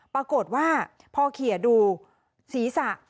ปรากฏว่าพอเขียดูศีรษะ